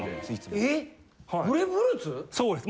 そうです。